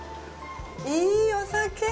いいお酒！